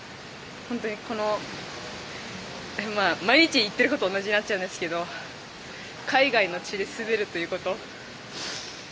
毎日言っていることが同じになっちゃうんですが海外の地で滑るということ。